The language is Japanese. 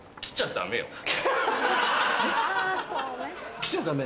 来ちゃダメ？